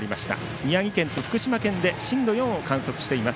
宮城県と福島県で震度４を観測しています。